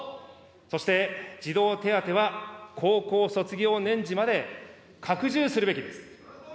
そして、児童手当は高校卒業年次まで拡充するべきです。